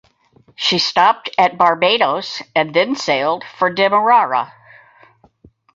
She stopped at Barbados and then sailed for Demerara.